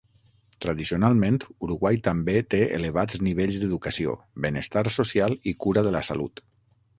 Tradicionalment, Uruguai també té elevats nivells d'educació, benestar social i cura de la salut.